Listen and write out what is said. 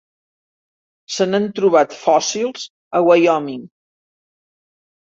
Se n'han trobat fòssils a Wyoming.